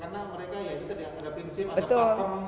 karena mereka ya itu ada prinsip ada pakem